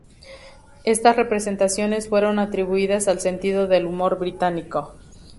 Estas representaciones fueron atribuidas al sentido del humor británico.